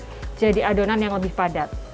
jadi ini sudah jadi adonan yang lebih padat